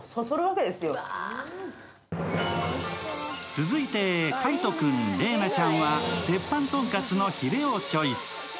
続いて、海音君、麗菜ちゃんは鉄板とんかつのヒレをチョイス。